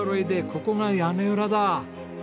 ここが屋根裏だ。